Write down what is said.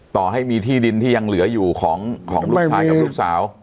ต่อให้มีที่ดินที่ยังเหลืออยู่ของลูกชายกับลูกสาว